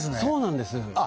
そうなんです